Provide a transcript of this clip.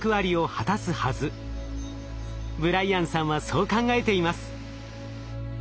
ブライアンさんはそう考えています。